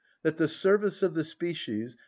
That the service of the species, _i.